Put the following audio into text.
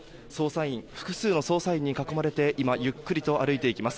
複数の捜査員に囲まれて今ゆっくりと歩いていきます。